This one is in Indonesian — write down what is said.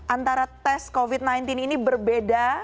antara tes covid sembilan belas ini berbeda